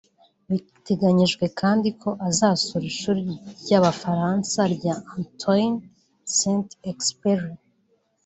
Biteganyijwe kandi ko azasura Ishuri ry’Abafaransa rya Antoine Saint Exupéry